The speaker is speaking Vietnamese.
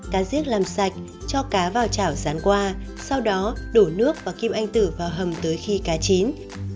cá giết làm sạch cho cá vào chảo dán qua sau đó đổ nước và kim anh tử vào hầm tới khi cá chín